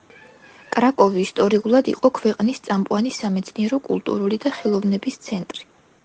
კრაკოვი ისტორიულად იყო ქვეყნის წამყვანი სამეცნიერო, კულტურული და ხელოვნების ცენტრი.